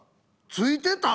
付いてた？